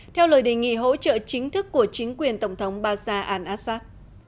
theo lời đề nghị hỗ trợ chính thức của chính quyền tổng thống baza al assad